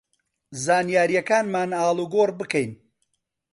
زانیارییەکانمان ئاڵوگۆڕ بکەین